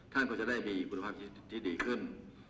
ท่านเขาจะได้มีคุณภาพที่ดีขึ้น